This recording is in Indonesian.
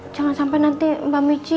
jangan sampai nanti mbak michi